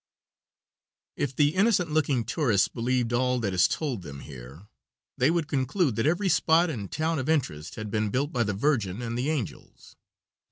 If the innocent looking tourists believed all that is told them here they would conclude that every spot and town of interest had been built by the Virgin and the angels.